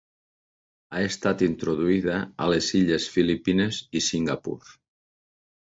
Ha estat introduïda a les illes Filipines i Singapur.